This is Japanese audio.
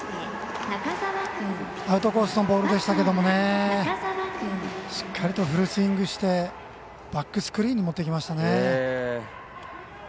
アウトコースのボールでしたけどしっかりとフルスイングしてバックスクリーンに持っていきましたね。